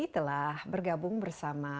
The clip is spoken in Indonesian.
telah bergabung bersama